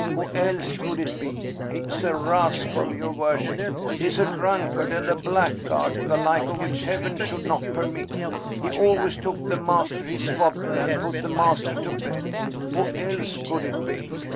Who else could it be ? He's a rascal, your worship ! He's a drunkard and a blackguard, the like of which Heaven should not permit ! He always took the master his vodka and put the master to bed. Who else could it be?